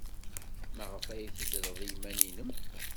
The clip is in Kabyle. Maɣef ay teddred i yiman-nnem?